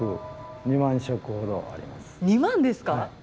２万ですか？